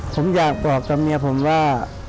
ผมอยากบอกกับเมียผมว่า